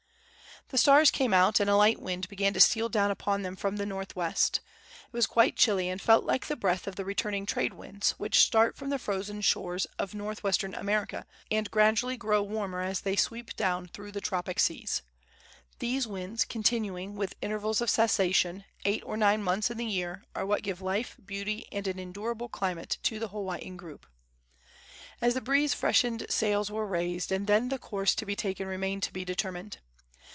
The stars came out, and a light wind began to steal down upon them from the northwest. It was quite chilly, and felt like the breath of the returning trade winds, which start from the frozen shores of northwestern America, and gradually grow warmer as they sweep down through the tropic seas. These winds, continuing, with intervals of cessation, eight or nine months in the year, are what give life, beauty and an endurable climate to the Hawaiian group. As the breeze freshened sails were raised, and then the course to be taken remained to be determined.